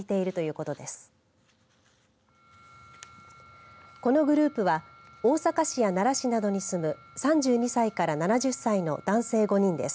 このグループは大阪市や奈良市などに住む３２歳から７０歳の男性５人です。